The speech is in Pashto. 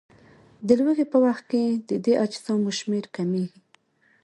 د لوږې په وخت کې د دې اجسامو شمېر کمیږي.